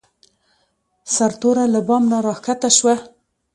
سرتوره له بام نه راکښته شوه.